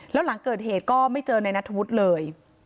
แล้วหลังเกิดเหตุก็ไม่เจอในนัทธวุฒิเลย